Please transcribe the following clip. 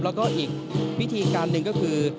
แล้วก็อีกวิธีการหนึ่งก็คือ